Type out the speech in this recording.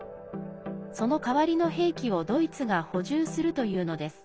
その代わりの兵器をドイツが補充するというのです。